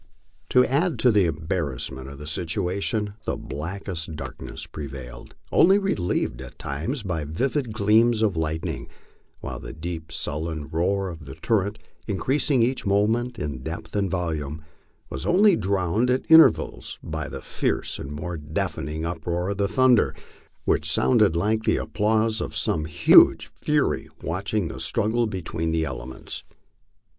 To add to the embarrassment of the situation, the blackest darkness prevailed, only relieved at times by vivid gleams of lightning, while the deep sullen roar of the torrent, increasing each moment in depth and volume, was only drowned at intervals by the fierce and more deafening uproar of the thunder, which sounded like the applause of some huge fury watching this struggle between the elements.